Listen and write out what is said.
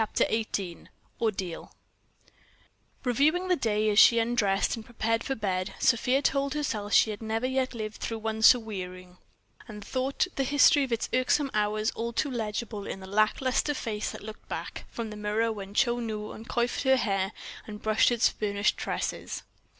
'"_ XVIII ORDEAL Reviewing the day, as she undressed and prepared for bed, Sofia told herself she had never yet lived through one so wearing, and thought the history of its irksome hours all too legible in the lack lustre face that looked back from the mirror when Chou Nu uncoifed her hair and brushed its burnished tresses.